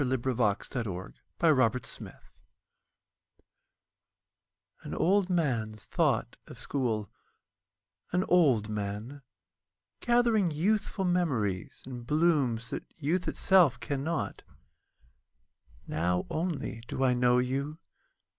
An Old Man's Thought of School AN old man's thought of School; An old man, gathering youthful memories and blooms, that youth itself cannot. Now only do I know you!